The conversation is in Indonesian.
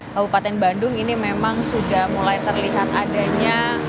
kabupaten bandung ini memang sudah mulai terlihat adanya